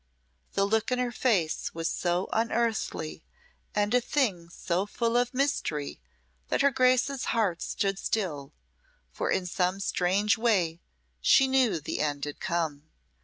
The look in her face was so unearthly and a thing so full of mystery, that her Grace's heart stood still, for in some strange way she knew the end had come.